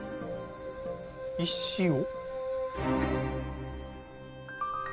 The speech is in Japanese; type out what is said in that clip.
石を？